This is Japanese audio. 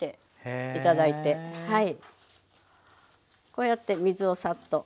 こうやって水をさっと取ります。